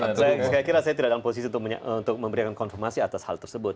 saya kira saya tidak dalam posisi untuk memberikan konfirmasi atas hal tersebut